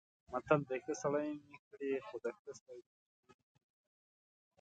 متل دی: ښه سړی مې کړې خو د ښه سړي زوی مې مه کړې.